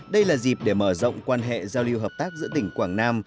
đây là dịp để mở rộng quan hệ giao lưu hợp tác giữa tỉnh quảng nam